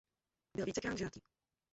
Byl vícekrát ženatý.